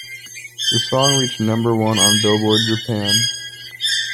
The song reached number one on Billboard Japan.